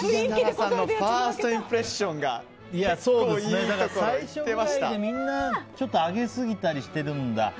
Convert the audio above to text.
設楽さんはファーストインプレッションがみんなちょっと上げすぎたりしてるんだ。